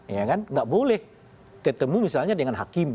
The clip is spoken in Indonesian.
enggak boleh ketemu misalnya dengan hakim